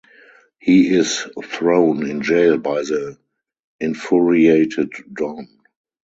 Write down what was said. He is thrown in jail by the infuriated Don.